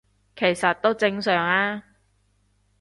其實都正常吖